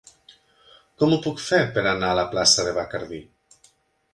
Com ho puc fer per anar a la plaça de Bacardí?